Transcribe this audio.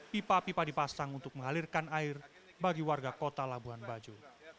pipa pipa dipasang untuk mengalirkan air bagi warga kota labuan bajo